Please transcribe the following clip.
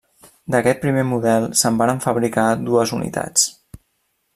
D'aquest primer model se'n varen fabricar dues unitats.